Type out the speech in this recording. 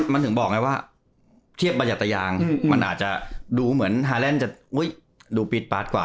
มันถึงบอกไงว่าเทียบบรรยัตยางมันอาจจะดูเหมือนฮาแลนด์จะดูปี๊ดปาร์ดกว่า